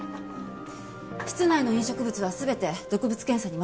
室内の飲食物は全て毒物検査に回します。